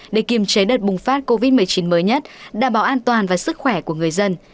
để kiềm chế đợt bùng phát covid một mươi chín mới nhất đảm bảo an toàn và sức khỏe của người dân